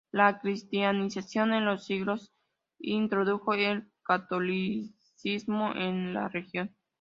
La cristianización en los siglos y introdujo el catolicismo en la región.